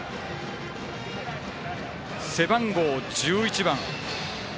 背番号１１番。